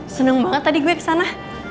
senang banget tadi gue kesana